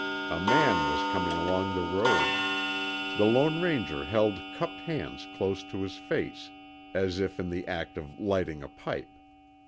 A man was coming along the road. The Lone Ranger held cupped hands close to his face, as if in the act of lighting a pipe.